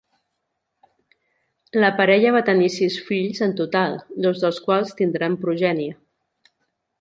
La parella va tenir sis fills en total, dos dels quals tindran progènie.